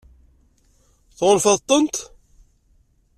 Tɣunfaḍ-tent?